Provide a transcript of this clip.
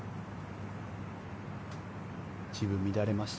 一部、乱れました。